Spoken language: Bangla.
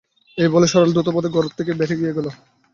এই বলে সরলা দ্রুতপদে ঘর থেকে বেরিয়ে গেল।